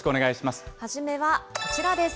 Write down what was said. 初めはこちらです。